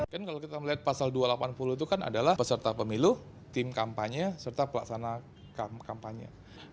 kan kalau kita melihat pasal dua ratus delapan puluh itu kan adalah peserta pemilu tim kampanye serta pelaksana kampanye